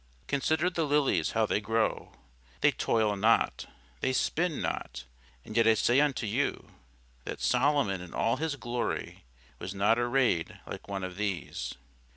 Consider the lilies how they grow: they toil not, they spin not; and yet I say unto you, that Solomon in all his glory was not arrayed like one of these.